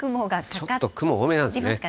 ちょっと雲多めなんですね。